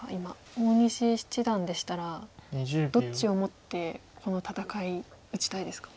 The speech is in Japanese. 大西七段でしたらどっちを持ってこの戦い打ちたいですか？